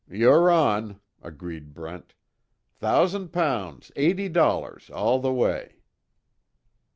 "You're on!" agreed Brent, "Thousand pounds, eighty dollars all the way."